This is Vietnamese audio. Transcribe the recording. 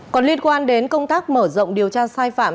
còn liên quan đến công tác mở rộng điều tra sai phạm